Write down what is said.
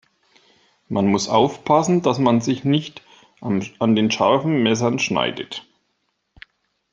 Man muss aufpassen, dass man sich nicht an den scharfen Messern schneidet.